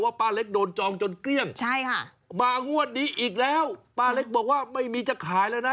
ป้าเล็กโดนจองจนเกลี้ยงใช่ค่ะมางวดนี้อีกแล้วป้าเล็กบอกว่าไม่มีจะขายแล้วนะ